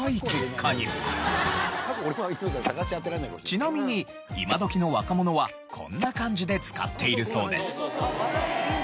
ちなみに今どきの若者はこんな感じで使っているそうです。